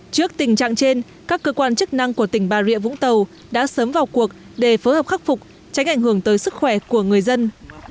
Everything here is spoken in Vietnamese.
trước tình trạng trên các cơ quan chức năng của tỉnh bà rịa vũng tàu đã sớm vào cuộc để phối hợp khắc phục tránh ảnh hưởng tới sức khỏe của người dân